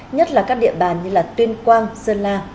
nhất là các địa bàn như tuyên quang sơn la